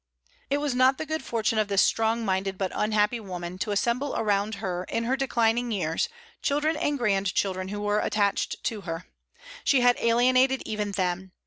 It was not the good fortune of this strong minded but unhappy woman to assemble around her in her declining years children and grandchildren who were attached to her. She had alienated even them.